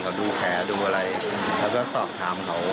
เขาดูแผลดูอะไรเขาก็สอบถามเขา